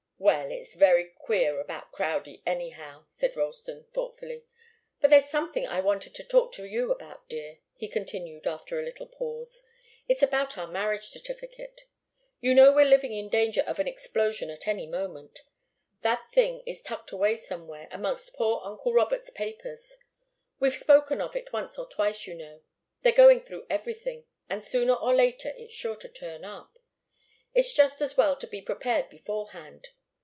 "Well it's very queer about Crowdie, anyhow," said Ralston, thoughtfully. "But there's something I wanted to talk to you about, dear," he continued after a little pause. "It's about our marriage certificate. You know we're living in danger of an explosion at any moment. That thing is tucked away somewhere amongst poor uncle Robert's papers. We've spoken of it once or twice, you know. They're going through everything, and sooner or later it's sure to turn up. It's just as well to be prepared beforehand.